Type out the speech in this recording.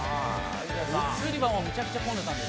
グッズ売り場もめちゃくちゃ混んでたんです。